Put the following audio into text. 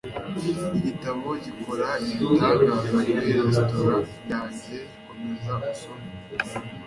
Iki gitabo gikora ibitangaza muri resitora yanjye Komeza usome